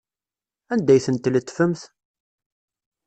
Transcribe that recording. Anda ay ten-tletfemt?